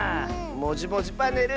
「もじもじパネル」